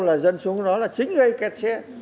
là dân xuống đó là chính gây kẹt xe